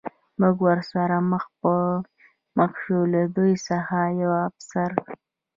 موږ ورسره مخ په مخ شو، له دوی څخه یوه افسر.